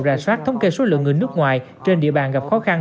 rà soát thống kê số lượng người nước ngoài trên địa bàn gặp khó khăn